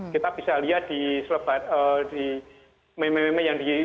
kita bisa lihat di meme meme yang di